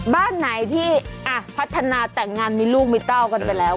บ้านไหนที่พัฒนาแต่งงานมีลูกมีเต้ากันไปแล้ว